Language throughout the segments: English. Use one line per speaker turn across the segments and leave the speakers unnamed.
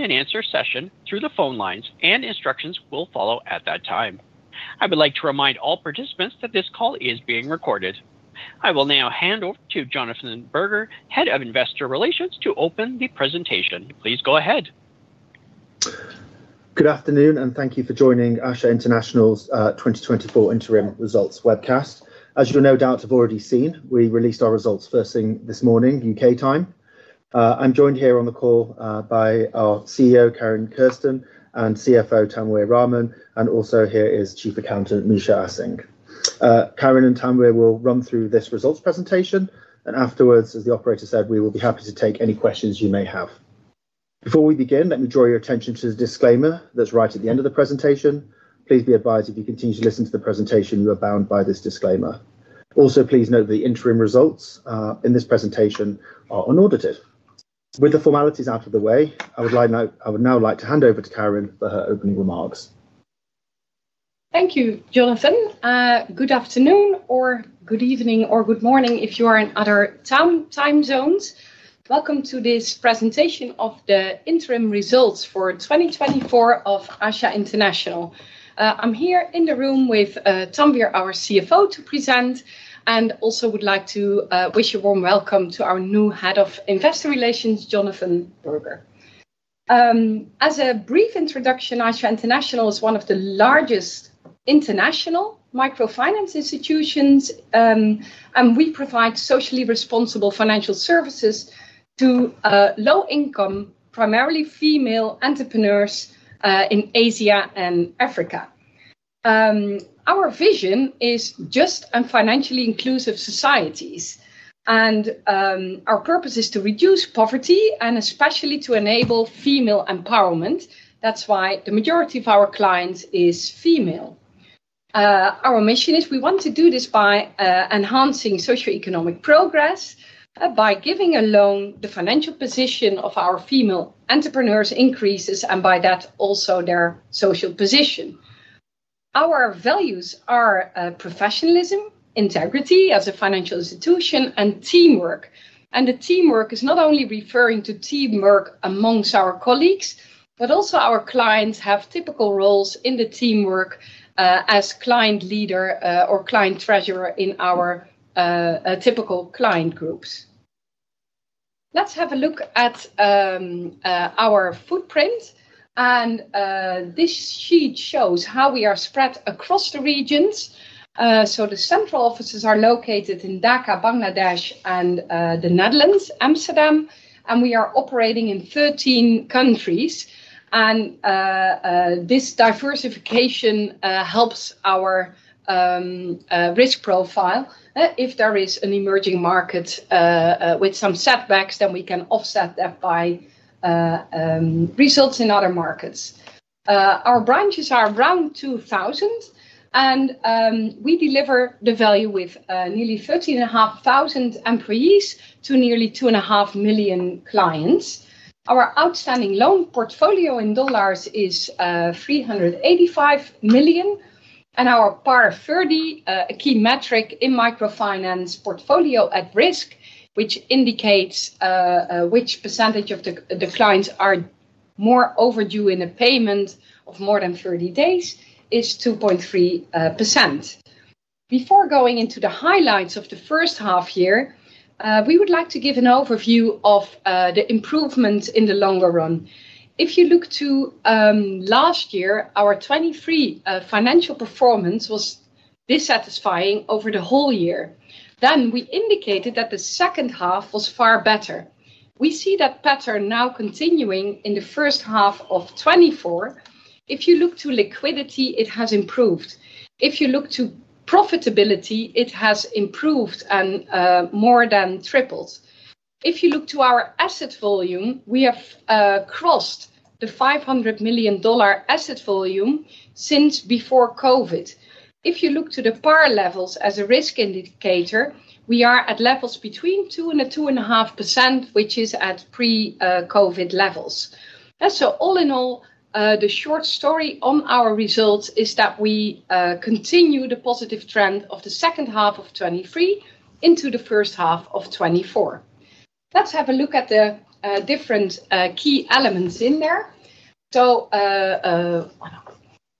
and answer session through the phone lines, and instructions will follow at that time. I would like to remind all participants that this call is being recorded. I will now hand over to Jonathan Berger, Head of Investor Relations, to open the presentation. Please go ahead.
Good afternoon, and thank you for joining ASA International's 2024 Interim Results webcast. As you'll no doubt have already seen, we released our results first thing this morning, U.K. time. I'm joined here on the call by our CEO, Karin Kersten, and CFO, Tanwir Rahman, and also here is Chief Accountant Misha Singh. Karin and Tanwir will run through this results presentation, and afterwards, as the operator said, we will be happy to take any questions you may have. Before we begin, let me draw your attention to the disclaimer that's right at the end of the presentation. Please be advised, if you continue to listen to the presentation, you are bound by this disclaimer. Also, please note the interim results in this presentation are unaudited. With the formalities out of the way, I would now like to hand over to Karin for her opening remarks.
Thank you, Jonathan. Good afternoon, or good evening, or good morning if you are in other time zones. Welcome to this presentation of the interim results for 2024 of ASA International. I'm here in the room with Tanwir, our CFO, to present, and also would like to wish a warm welcome to our new head of investor relations, Jonathan Berger. As a brief introduction, ASA International is one of the largest international microfinance institutions, and we provide socially responsible financial services to low-income, primarily female entrepreneurs, in Asia and Africa. Our vision is just and financially inclusive societies, and our purpose is to reduce poverty and especially to enable female empowerment. That's why the majority of our clients is female. Our mission is we want to do this by enhancing socioeconomic progress. By giving a loan, the financial position of our female entrepreneurs increases, and by that, also their social position. Our values are professionalism, integrity as a financial institution, and teamwork. And the teamwork is not only referring to teamwork among our colleagues, but also our clients have typical roles in the teamwork, as client leader, or client treasurer in our typical client groups. Let's have a look at our footprint, and this sheet shows how we are spread across the regions. So the central offices are located in Dhaka, Bangladesh, and the Netherlands, Amsterdam, and we are operating in 13 countries. And this diversification helps our risk profile. If there is an emerging market with some setbacks, then we can offset that by results in other markets. Our branches are around 2,000, and we deliver the value with nearly 13,500 employees to nearly 2.5 million clients. Our outstanding loan portfolio is $385 million, and our PAR 30, a key metric in microfinance portfolio at risk, which indicates which percentage of the clients are more overdue in a payment of more than 30 days, is 2.3%. Before going into the highlights of the first half year, we would like to give an overview of the improvements in the longer run. If you look to last year, our 2023 financial performance was dissatisfying over the whole year. Then we indicated that the second half was far better. We see that pattern now continuing in the first half of 2024. If you look to liquidity, it has improved. If you look to profitability, it has improved and, more than tripled. If you look to our asset volume, we have crossed the $500 million asset volume since before COVID. If you look to the PAR levels as a risk indicator, we are at levels between 2% and 2.5%, which is at pre-COVID levels. So all in all, the short story on our results is that we continue the positive trend of the second half of 2023 into the first half of 2024. Let's have a look at the different key elements in there. So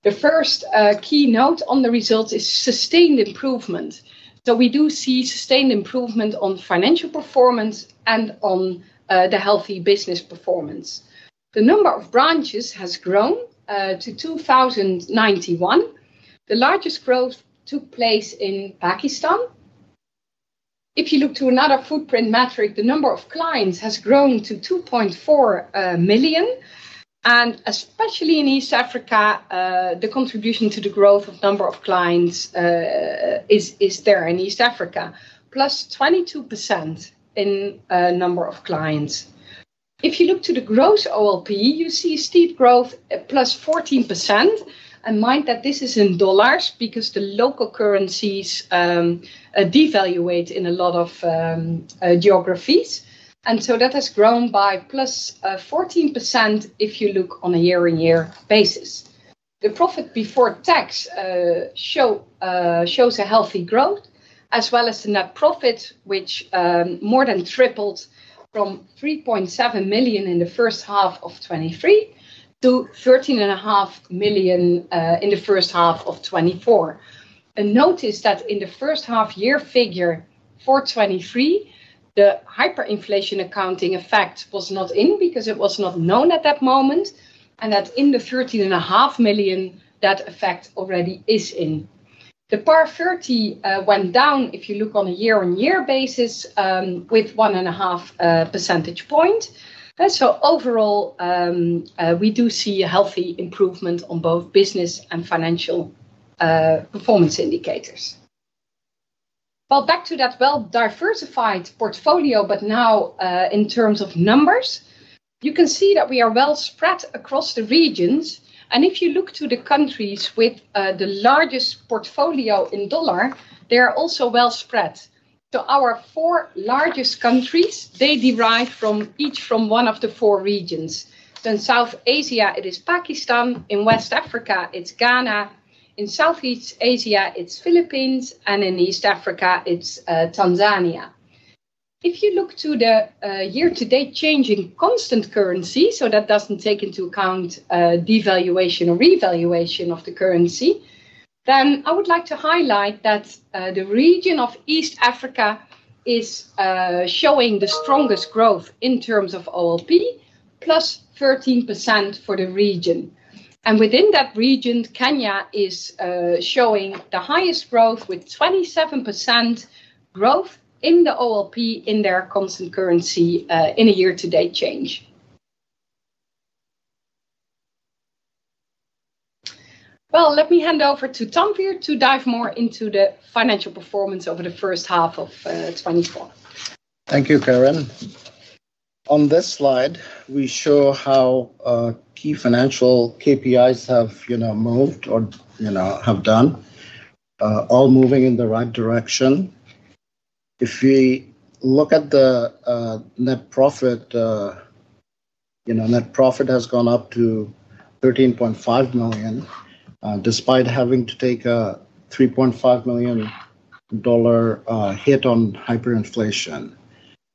the first key note on the results is sustained improvement. So we do see sustained improvement on financial performance and on the healthy business performance. The number of branches has grown to two thousand and ninety-one. The largest growth took place in Pakistan. If you look to another footprint metric, the number of clients has grown to 2.4 million, and especially in East Africa, the contribution to the growth of number of clients is there in East Africa, plus 22% in number of clients. If you look to the gross OLP, you see steep growth at plus 14%, and mind that this is in dollars, because the local currencies devaluate in a lot of geographies. And so that has grown by plus 14% if you look on a year-on-year basis. The profit before tax shows a healthy growth, as well as the net profit, which more than tripled from $3.7 million in the first half of 2023 to $13.5 million in the first half of 2024. Notice that in the first half year figure for 2023, the Hyperinflation Accounting effect was not in because it was not known at that moment, and that in the $13.5 million, that effect already is in. The PAR 30 went down if you look on a year-on-year basis with one and a half percentage point. So overall, we do see a healthy improvement on both business and financial performance indicators. Back to that well-diversified portfolio, but now in terms of numbers. You can see that we are well spread across the regions, and if you look to the countries with the largest portfolio in dollar, they are also well spread. So our four largest countries, they derive from each from one of the four regions. In South Asia, it is Pakistan; in West Africa, it's Ghana; in Southeast Asia, it's Philippines; and in East Africa, it's Tanzania. If you look to the year-to-date change in constant currency, so that doesn't take into account devaluation or revaluation of the currency, then I would like to highlight that the region of East Africa is showing the strongest growth in terms of OLP, plus 13% for the region and within that region, Kenya is showing the highest growth, with 27% growth in the OLP in their constant currency in a year-to-date change. Let me hand over to Tanwir to dive more into the financial performance over the first half of 2024.
Thank you, Karin. On this slide, we show how key financial KPIs have, you know, moved or, you know, have done all moving in the right direction. If we look at the net profit, you know, net profit has gone up to $13.5 million, despite having to take a $3.5 million hit on hyperinflation.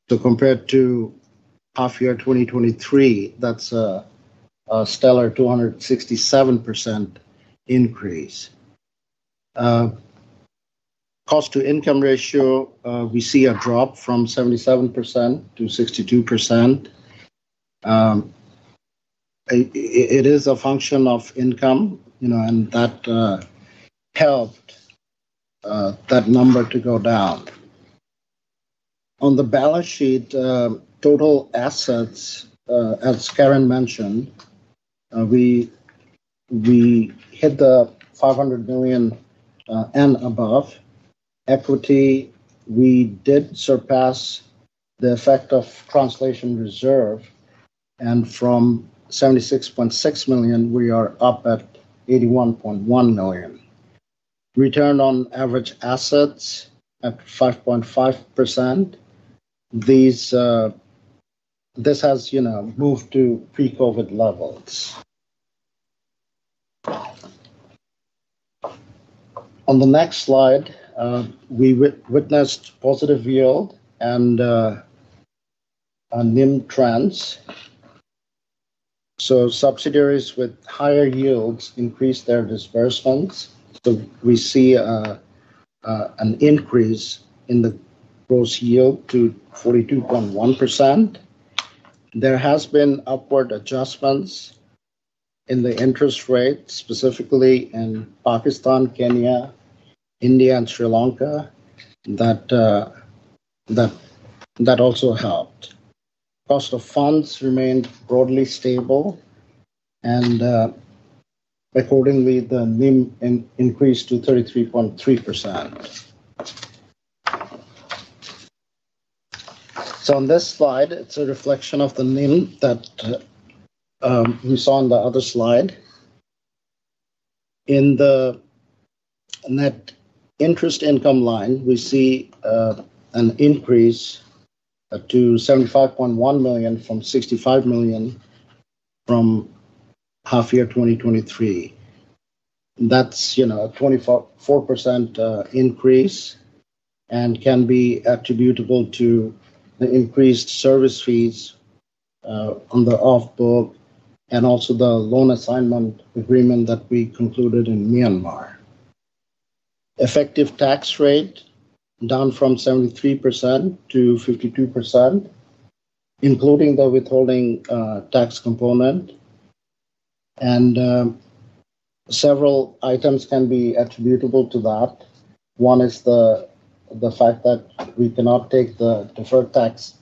So compared to half year 2023, that's a stellar 267% increase. Cost-to-income ratio, we see a drop from 77% to 62%. It is a function of income, you know, and that helped that number to go down. On the balance sheet, total assets, as Karin mentioned, we hit the $500 million and above. Equity, we did surpass the effect of translation reserve, and from $76.6 million, we are up at $81.1 million. Return on Average Assets at 5.5%. This has, you know, moved to pre-COVID levels. On the next slide, we witnessed positive yield and a NIM trends. So subsidiaries with higher yields increased their disbursements, so we see an increase in the gross yield to 42.1%. There has been upward adjustments in the interest rate, specifically in Pakistan, Kenya, India, and Sri Lanka. That also helped. Cost of funds remained broadly stable, and accordingly, the NIM increased to 33.3%. So on this slide, it's a reflection of the NIM that we saw on the other slide. In the net interest income line, we see an increase up to $75.1 million from $65 million from half year 2023. That's, you know, a 24.4% increase and can be attributable to the increased service fees on the off book and also the loan assignment agreement that we concluded in Myanmar. Effective tax rate down from 73% to 52%, including the withholding tax component, and several items can be attributable to that. One is the fact that we cannot take the deferred tax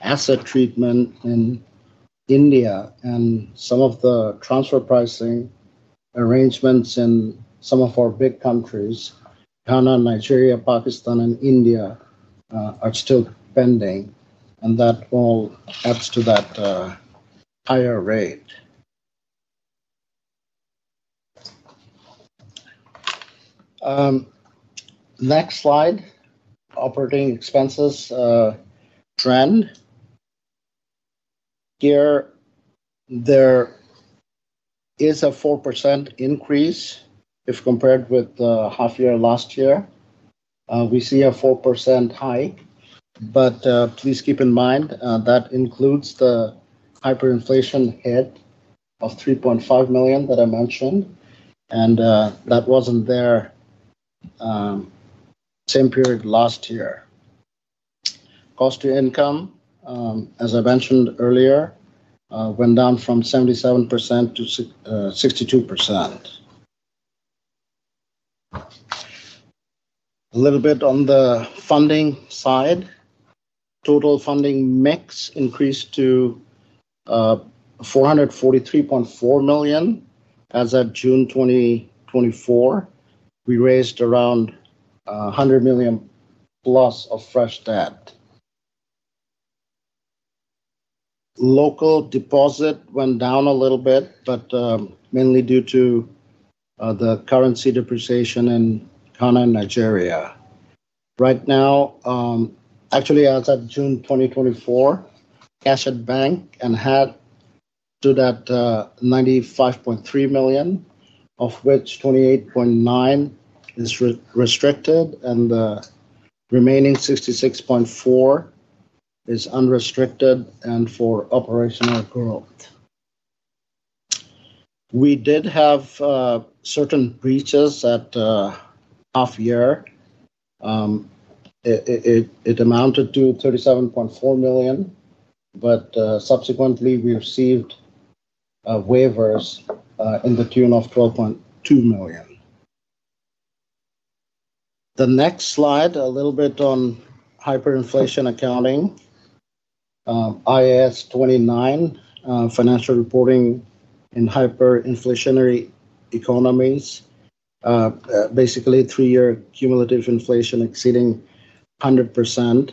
asset treatment in India, and some of the transfer pricing arrangements in some of our big countries, Ghana, Nigeria, Pakistan, and India, are still pending, and that all adds to that higher rate. Next slide, operating expenses trend. Here, there is a 4% increase if compared with the half year last year. We see a 4% high, but please keep in mind that includes the hyperinflation hit of $3.5 million that I mentioned, and that wasn't there same period last year. Cost to income, as I mentioned earlier, went down from 77% to 62%. A little bit on the funding side. Total funding mix increased to $443.4 million. As of June 2024, we raised around $100 million plus of fresh debt. Local deposit went down a little bit, but mainly due to the currency depreciation in Ghana and Nigeria. Right now, actually, as of June 2024, cash at bank, and add to that, $95.3 million, of which $28.9 million is restricted, and the remaining $66.4 million is unrestricted and for operational growth. We did have certain breaches at half year. It amounted to $37.4 million, but subsequently, we received waivers in the tune of $12.2 million. The next slide, a little bit on hyperinflation accounting. IAS 29, financial reporting in hyperinflationary economies. Basically, three-year cumulative inflation exceeding 100%,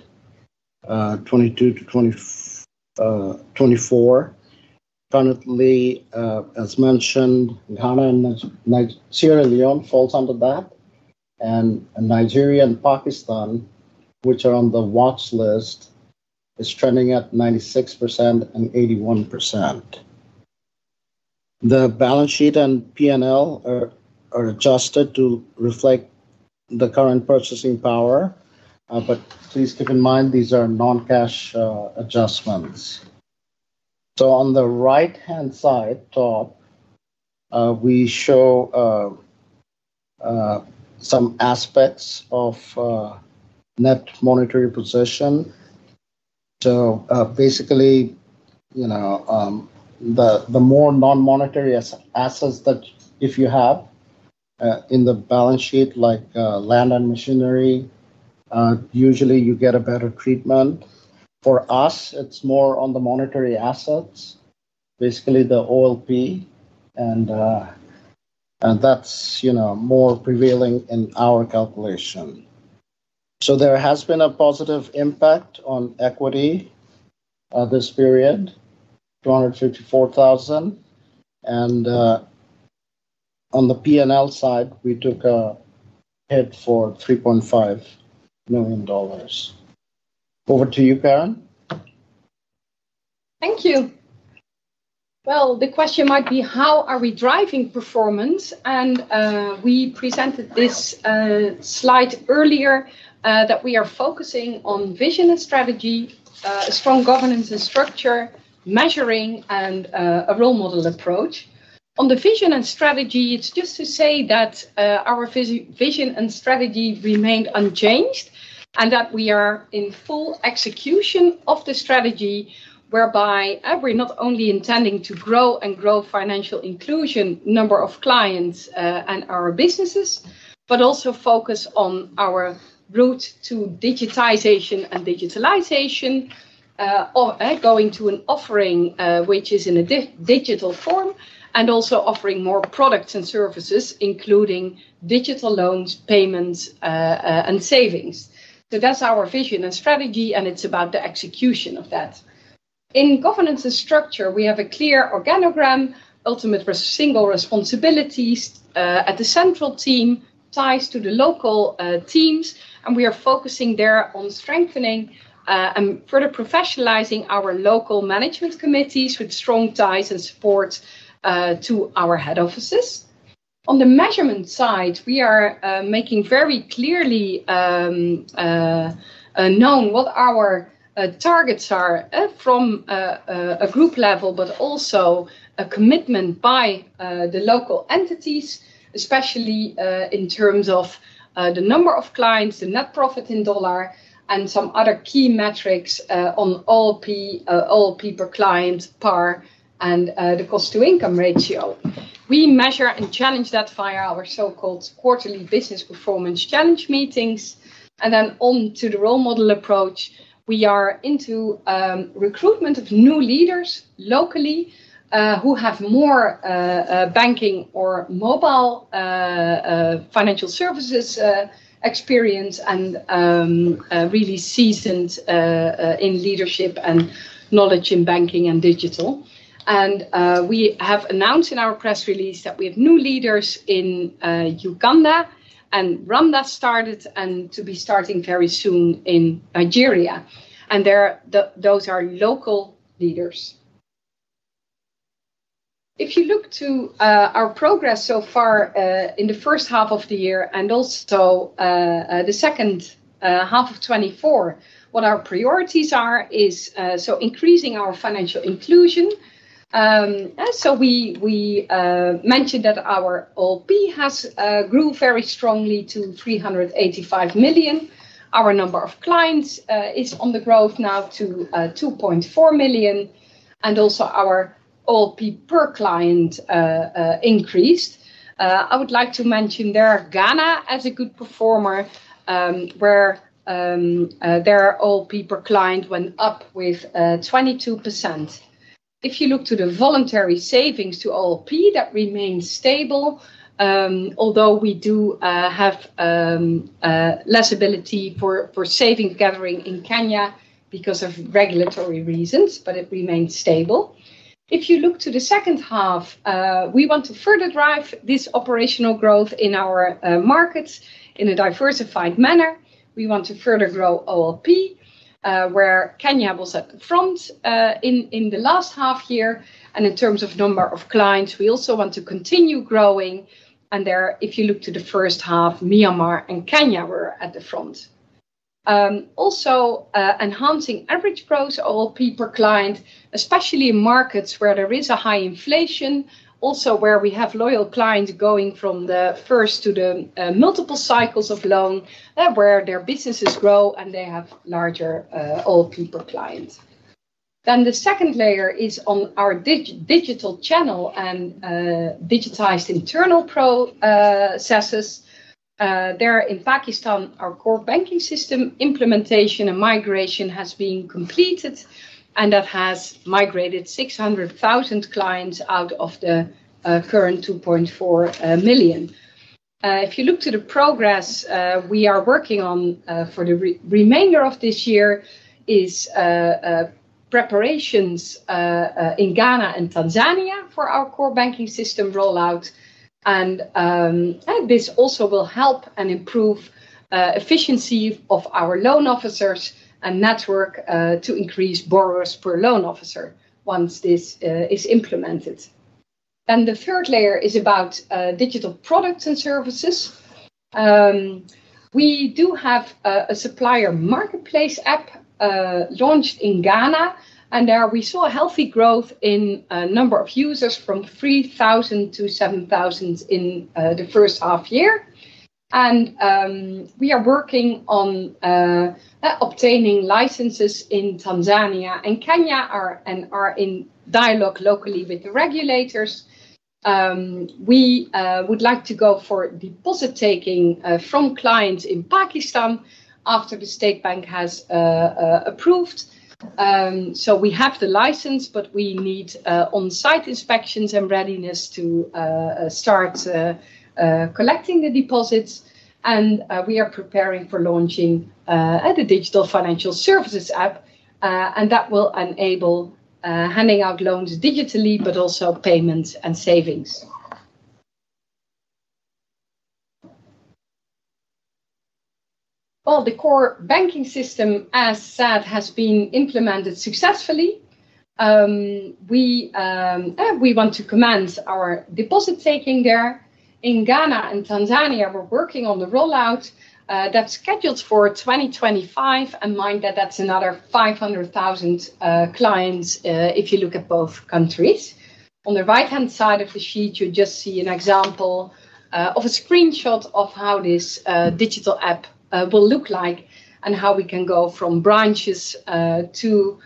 2022 to 2024. Currently, as mentioned, Ghana and Sierra Leone falls under that, and Nigeria and Pakistan, which are on the watch list, is trending at 96% and 81%. The balance sheet and PNL are adjusted to reflect the current purchasing power, but please keep in mind, these are non-cash adjustments. So on the right-hand side top, we show some aspects of net monetary position. So, basically, you know, the more non-monetary assets that you have in the balance sheet, like land and machinery, usually you get a better treatment. For us, it's more on the monetary assets, basically the OLP, and that's, you know, more prevailing in our calculation. So there has been a positive impact on equity this period, $254,000, and on the PNL side, we took a hit for $3.5 million. Over to you, Karin.
Thank you. Well, the question might be: How are we driving performance? And we presented this slide earlier that we are focusing on vision and strategy, strong governance and structure, measuring, and a role model approach. On the vision and strategy, it's just to say that our vision and strategy remained unchanged, and that we are in full execution of the strategy, whereby we're not only intending to grow financial inclusion, number of clients, and our businesses, but also focus on our route to digitization and digitalization, or going to an offering which is in a digital form, and also offering more products and services, including digital loans, payments, and savings. So that's our vision and strategy, and it's about the execution of that. In governance and structure, we have a clear organogram, ultimate responsibility, single responsibilities at the central team, ties to the local teams, and we are focusing there on strengthening and further professionalizing our local management committees with strong ties and support to our head offices. On the measurement side, we are making very clearly known what our targets are from a group level, but also a commitment by the local entities, especially in terms of the number of clients, the net profit in dollar, and some other key metrics on OLP, OLP per client, PAR, and the cost to income ratio. We measure and challenge that via our so-called quarterly business performance challenge meetings. And then on to the role model approach, we are into recruitment of new leaders locally, who have more banking or mobile financial services experience, and really seasoned in leadership and knowledge in banking and digital. We have announced in our press release that we have new leaders in Uganda and Rwanda started, and to be starting very soon in Nigeria, and those are local leaders. If you look to our progress so far in the first half of the year, and also the second half of 2024, what our priorities are is so increasing our financial inclusion. And so we mentioned that our OLP has grew very strongly to $385 million. Our number of clients is on the growth now to 2.4 million, and also our OLP per client increased. I would like to mention there Ghana as a good performer, where their OLP per client went up with 22%. If you look to the voluntary savings to OLP, that remains stable, although we do have less ability for saving gathering in Kenya because of regulatory reasons, but it remains stable. If you look to the second half, we want to further drive this operational growth in our markets in a diversified manner. We want to further grow OLP, where Kenya was at the front in the last half year. And in terms of number of clients, we also want to continue growing, and there, if you look to the first half, Myanmar and Kenya were at the front. Also, enhancing average gross OLP per client, especially in markets where there is a high inflation, also where we have loyal clients going from the first to the multiple cycles of loan, where their businesses grow and they have larger OLP per client. Then the second layer is on our digital channel and digitized internal processes. There in Pakistan, our core banking system implementation and migration has been completed, and that has migrated 600,000 clients out of the current 2.4 million. If you look to the progress we are working on for the remainder of this year is preparations in Ghana and Tanzania for our core banking system rollout. This also will help and improve efficiency of our loan officers and network to increase borrowers per loan officer once this is implemented. The third layer is about digital products and services. We do have a supplier marketplace app launched in Ghana, and there we saw a healthy growth in number of users from 3,000 to 7,000 in the first half year. We are working on obtaining licenses in Tanzania and Kenya and are in dialogue locally with the regulators. We would like to go for deposit taking from clients in Pakistan after the State Bank has approved. We have the license, but we need on-site inspections and readiness to start collecting the deposits. We are preparing for launching at the Digital Financial Services App, and that will enable handing out loans digitally, but also payments and savings. The Core Banking System, as said, has been implemented successfully. We want to commence our deposit taking there. In Ghana and Tanzania, we're working on the rollout that's scheduled for 2025, and mind that that's another 500,000 clients if you look at both countries. On the right-hand side of the sheet, you just see an example of a screenshot of how this digital app will look like, and how we can go from branches to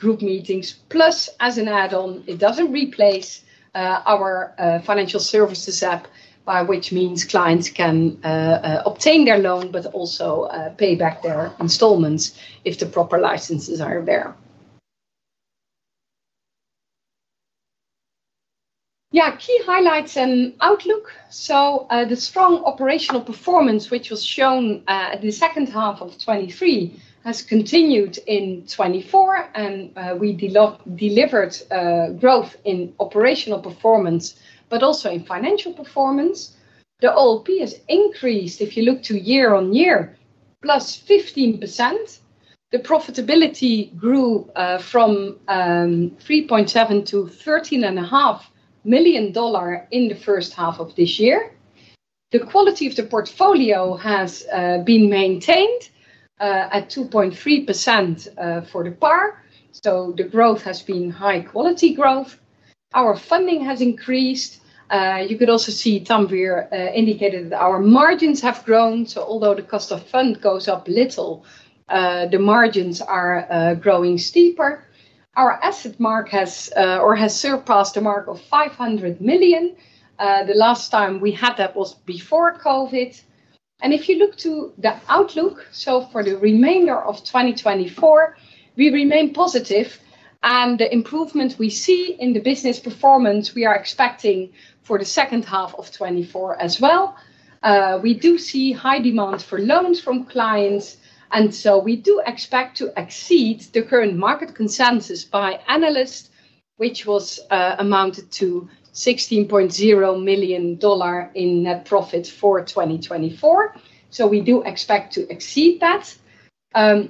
group meetings. Plus, as an add-on, it doesn't replace our financial services app, by which means clients can obtain their loan, but also pay back their installments if the proper licenses are there. Yeah, key highlights and outlook. So, the strong operational performance, which was shown at the second half of 2023, has continued in 2024, and we delivered growth in operational performance, but also in financial performance. The OLP has increased, if you look to year on year, plus 15%. The profitability grew from $3.7 million to $13.5 million in the first half of this year. The quality of the portfolio has been maintained at 2.3% for the PAR, so the growth has been high-quality growth. Our funding has increased. You could also see Tanwir indicated that our margins have grown, so although the cost of fund goes up little the margins are growing steeper. Our asset mark has surpassed a mark of $500 million. The last time we had that was before COVID. If you look to the outlook, for the remainder of 2024, we remain positive, and the improvement we see in the business performance, we are expecting for the second half of 2024 as well. We do see high demand for loans from clients, and so we do expect to exceed the current market consensus by analysts, which amounted to $16.0 million in net profit for 2024. So we do expect to exceed that.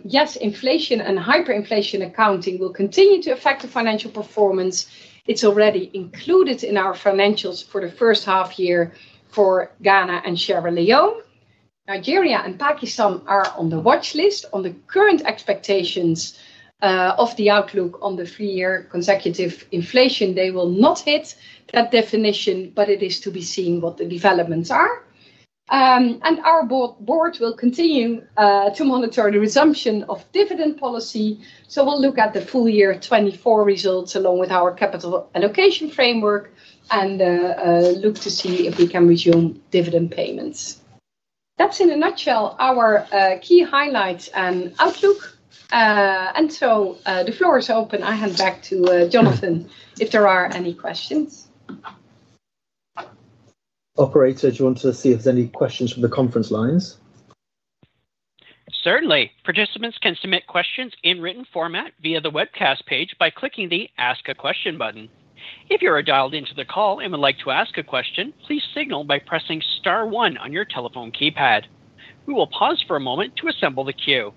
Yes, inflation and hyperinflation accounting will continue to affect the financial performance. It's already included in our financials for the first half year for Ghana and Sierra Leone. Nigeria and Pakistan are on the watchlist. On the current expectations of the outlook on the three-year consecutive inflation, they will not hit that definition, but it is to be seen what the developments are. And our board will continue to monitor the resumption of dividend policy, so we'll look at the full year 2024 results, along with our capital allocation framework, and look to see if we can resume dividend payments. That's in a nutshell, our key highlights and outlook. The floor is open. I hand back to Jonathan, if there are any questions.
Operator, do you want to see if there's any questions from the conference lines?
Certainly. Participants can submit questions in written format via the webcast page by clicking the Ask a Question button. If you are dialled into the call and would like to ask a question, please signal by pressing star one on your telephone keypad. We will pause for a moment to assemble the queue.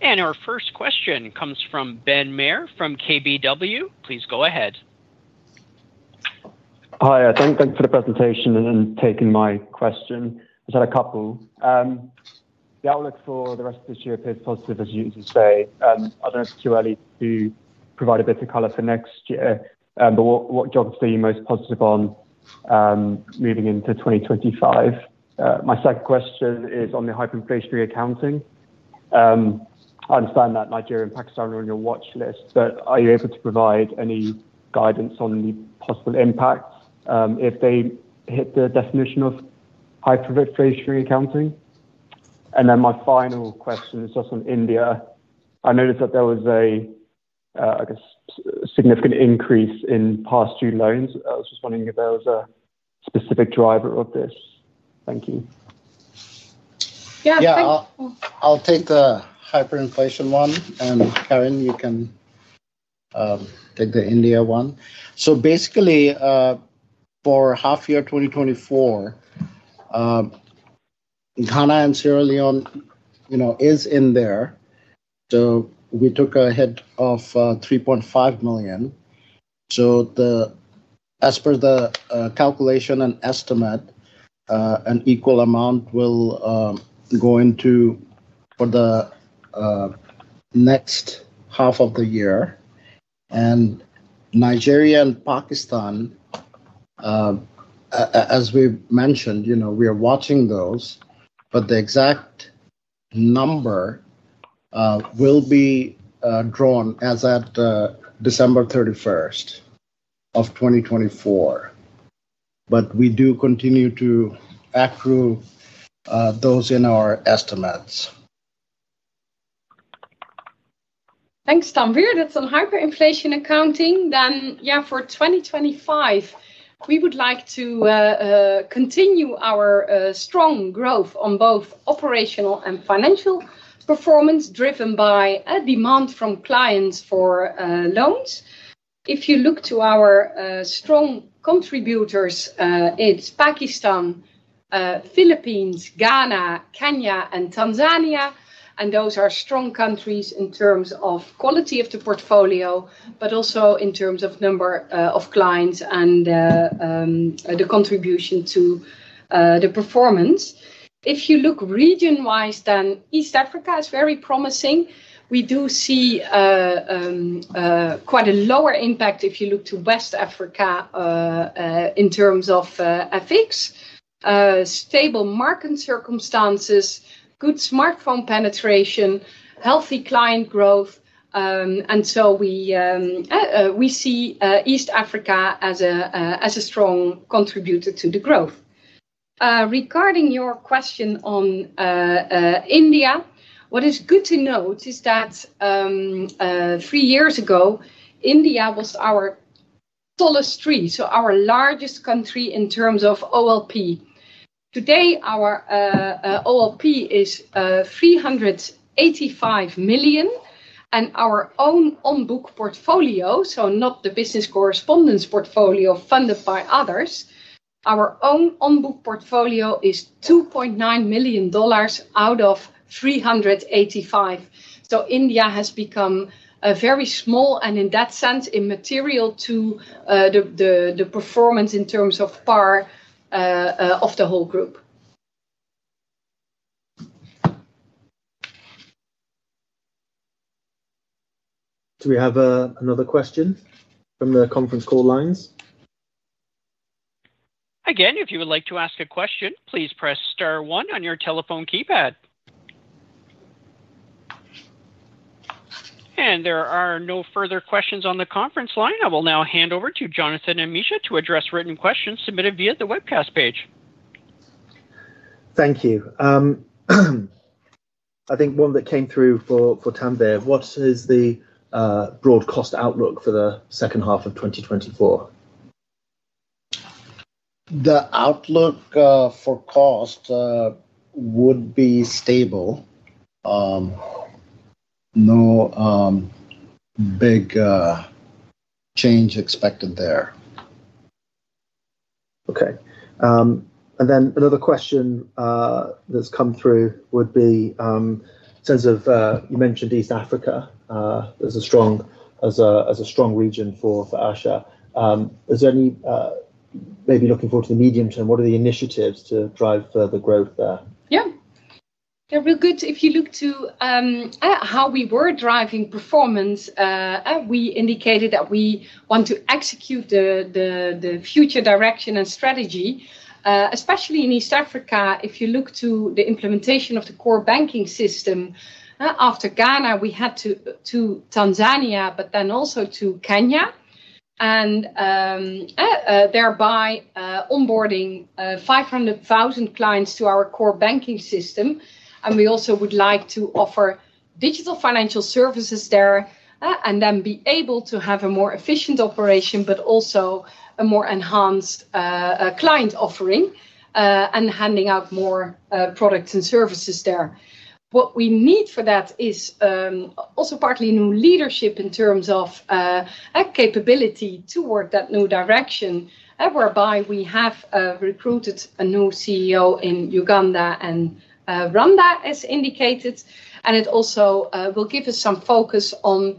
And our first question comes from Ben Maher, from KBW. Please go ahead.
Hi, thank you for the presentation and taking my question. Just had a couple. The outlook for the rest of this year appears positive, as you usually say. I don't know if it's too early to provide a bit of colour for next year, but what jobs are you most positive on, moving into twenty twenty-five? My second question is on the hyperinflationary accounting. I understand that Nigeria and Pakistan are on your watchlist, but are you able to provide any guidance on the possible impacts, if they hit the definition of hyperinflationary accounting? And then my final question is just on India. I noticed that there was a significant increase in past due loans. I was just wondering if there was a specific driver of this. Thank you.
Yeah, thank-
Yeah, I'll take the hyperinflation one, and, Karin, you can take the India one. So basically, for half year 2024, Ghana and Sierra Leone, you know, is in there. So we took a hit of $3.5 million. So the as per the calculation and estimate, an equal amount will go into for the next half of the year. And Nigeria and Pakistan, as we've mentioned, you know, we are watching those, but the exact number will be drawn as at December 31st of 2024. But we do continue to accrue those in our estimates.
Thanks, Tanwir. That's on hyperinflation accounting, then, yeah, for 2025, we would like to continue our strong growth on both operational and financial performance, driven by a demand from clients for loans. If you look to our strong contributors, it's Pakistan, Philippines, Ghana, Kenya, and Tanzania, and those are strong countries in terms of quality of the portfolio, but also in terms of number of clients and the contribution to the performance. If you look region-wise, then East Africa is very promising. We do see quite a lower impact if you look to West Africa in terms of FX. Stable market circumstances, good smartphone penetration, healthy client growth, and so we see East Africa as a strong contributor to the growth. Regarding your question on India, what is good to note is that three years ago, India was our tallest tree, so our largest country in terms of OLP. Today, our OLP is $385 million, and our own on-book portfolio, so not the business correspondence portfolio funded by others, our own on-book portfolio is $2.9 million out of $385 million. So India has become a very small, and in that sense, immaterial to the performance in terms of PAR of the whole group.
Do we have another question from the conference call lines?
Again, if you would like to ask a question, please press star one on your telephone keypad. And there are no further questions on the conference line. I will now hand over to Jonathan and Misha to address written questions submitted via the webcast page.
Thank you. I think one that came through for Tanwir, what is the broad cost outlook for the second half of 2024? The outlook for cost would be stable. No big change expected there.
Okay, and then another question that's come through would be, in terms of, you mentioned East Africa as a strong region for ASA. Is there any, maybe looking forward to the medium term, what are the initiatives to drive further growth there?
Yeah. Yeah, real good. If you look to how we were driving performance, we indicated that we want to execute the future direction and strategy, especially in East Africa. If you look to the implementation of the core banking system, after Ghana, we had it to Tanzania, but then also to Kenya, and thereby onboarding 500,000 clients to our core banking system, and we also would like to offer digital financial services there, and then be able to have a more efficient operation, but also a more enhanced client offering, and handing out more products and services there. What we need for that is, also partly new leadership in terms of, a capability toward that new direction, whereby we have, recruited a new CEO in Uganda and, Rwanda, as indicated. And it also, will give us some focus on,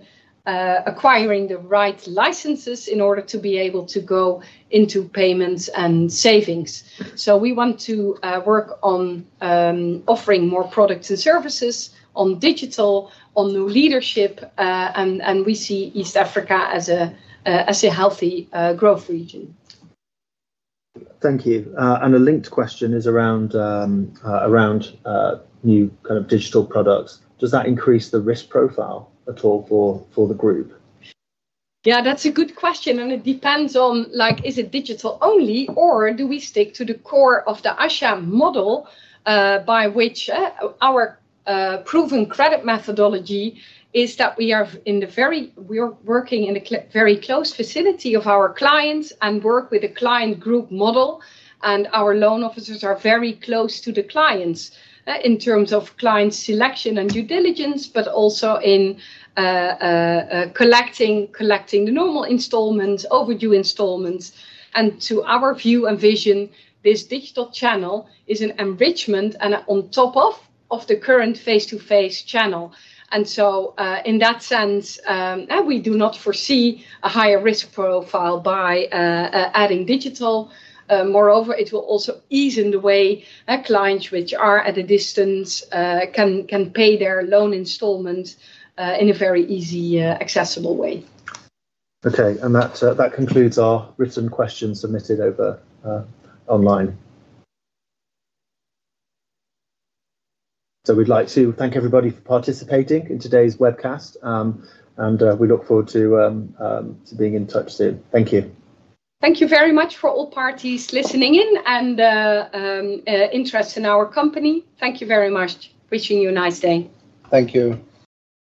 acquiring the right licenses in order to be able to go into payments and savings. So we want to, work on, offering more products and services on digital, on new leadership, and we see East Africa as a healthy growth region.
Thank you. And a linked question is around new kind of digital products. Does that increase the risk profile at all for the group?
Yeah, that's a good question, and it depends on, like, is it digital only, or do we stick to the core of the ASA model, by which our proven credit methodology is that we are in the very... We are working in a very close vicinity of our clients and work with a client group model, and our loan officers are very close to the clients in terms of client selection and due diligence, but also in collecting the normal instalments, overdue instalments. And to our view and vision, this digital channel is an enrichment and on top of the current face-to-face channel. And so, in that sense, we do not foresee a higher risk profile by adding digital. Moreover, it will also ease in the way our clients, which are at a distance, can pay their loan instalments, in a very easy, accessible way.
Okay, and that concludes our written questions submitted over online. So we'd like to thank everybody for participating in today's webcast, and we look forward to being in touch soon. Thank you.
Thank you very much for all parties listening in and interest in our company. Thank you very much. Wishing you a nice day.
Thank you.